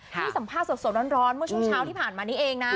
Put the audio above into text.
ที่สัมภาษณ์สดร้อนเมื่อช่วงเช้าที่ผ่านมานี้เองนะ